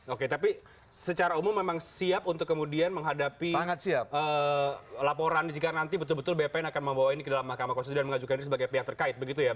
oke tapi secara umum memang siap untuk kemudian menghadapi laporan jika nanti betul betul bpn akan membawa ini ke dalam mahkamah konstitusi dan mengajukan ini sebagai pihak terkait begitu ya